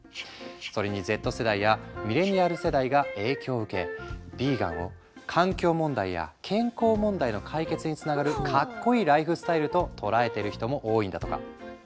それにＺ世代やミレニアル世代が影響を受けヴィーガンを環境問題や健康問題の解決につながるかっこいいライフスタイルと捉えてる人も多いんだとか。